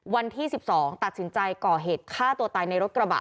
วันที่๑๒ตัดสินใจก่อเหตุฆ่าตัวตายในรถกระบะ